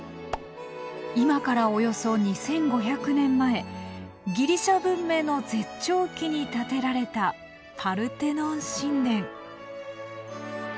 今からおよそ２，５００年前ギリシャ文明の絶頂期に建てられたパルテノン神殿。